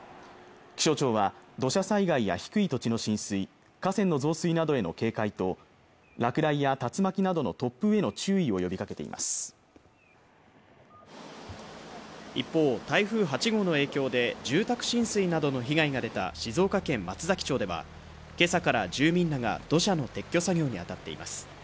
気象庁は土砂災害や低い土地の浸水河川の増水などへの警戒と落雷や竜巻などの突風への注意を呼びかけています一方台風８号の影響で住宅浸水などの被害が出た静岡県松崎町ではけさから住民が土砂の撤去作業に当たっています